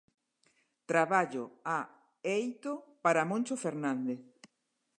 Traballo a eito para Moncho Fernández.